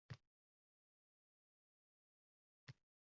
Vazir Yoshlar teatrining muammolari bilan qiziqdi